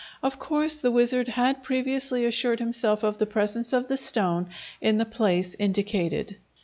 Of course the wizard had previously assured himself of the presence of the stone in the place indicated.